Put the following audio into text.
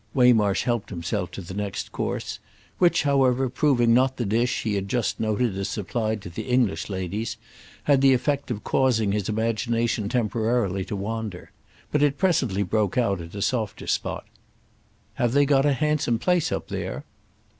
Waymarsh helped himself to the next course, which, however proving not the dish he had just noted as supplied to the English ladies, had the effect of causing his imagination temporarily to wander. But it presently broke out at a softer spot. "Have they got a handsome place up there?"